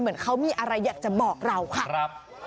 เหมือนเขามีอะไรอยากจะบอกเราค่ะ